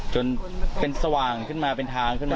จนเป็นสว่างขึ้นมาเป็นทางขึ้นมา